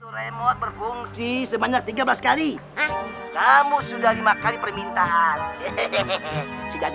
remote berfungsi sebanyak tiga belas kali kamu sudah lima kali permintaan